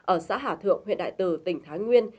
ở xã hà thượng huyện đại từ tỉnh thái nguyên